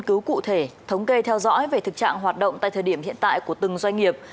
nghiên cứu cụ thể thống kê theo dõi về thực trạng hoạt động tại thời điểm hiện tại của từng doanh nghiệp